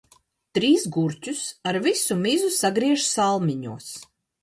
Trīs gurķus ar visu mizu sagriež salmiņos.